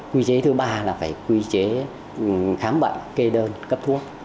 quy chế thứ ba là phải quy chế khám bệnh kê đơn cấp thuốc